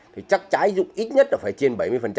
thì chắc trái dụng ít nhất là phải trên bảy mươi